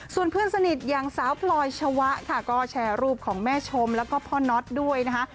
ส่วนเพื่อนสนิทอย่างสาวพลอยชวะค่ะก็แชร์รูปของแม่ชมแล้วก็พ่อน็อตด้วยนะคะ